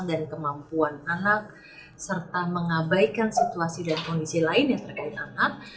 dan kemampuan anak serta mengabaikan situasi dan kondisi lain yang terkait anak